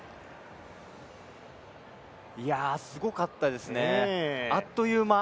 いや、すごかったですねあっという間。